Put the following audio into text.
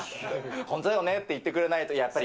本当だよねって言ってくれないと、やっぱり。